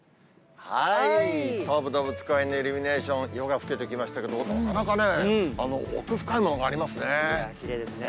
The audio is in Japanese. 東武動物公園のイルミネーション、夜がふけてきましたけれども、なかなかね、奥深いものがあきれいですね。